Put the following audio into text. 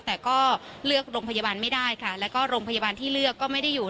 แต่ก็เลือกโรงพยาบาลไม่ได้ค่ะแล้วก็โรงพยาบาลที่เลือกก็ไม่ได้อยู่